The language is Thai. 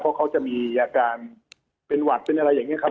เพราะเขาจะมีอาการเป็นหวัดเป็นอะไรอย่างนี้ครับ